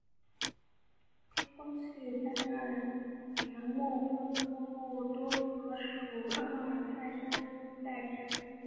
清光绪三十二年末分科布多所属阿尔泰山一带置。